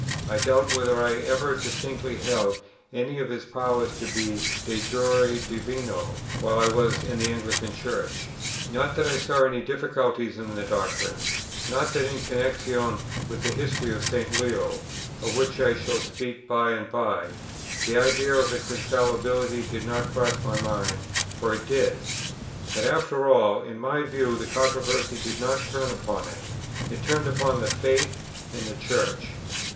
I doubt whether I ever distinctly held any of his powers to be de jure divino, while I was in the Anglican Church; not that I saw any difficulty in the doctrine; not that in connexion with the history of St. Leo, of which I shall speak by and by, the idea of his infallibility did not cross my mind, for it did, but after all, in my view the controversy did not turn upon it; it turned upon the Faith and the Church.